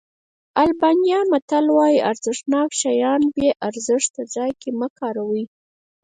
آلبانیا متل وایي ارزښتناک شیان په بې ارزښته ځای کې مه کاروئ.